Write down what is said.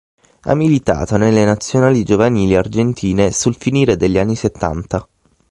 Ha militato nelle nazionali giovanili argentine sul finire degli anni settanta.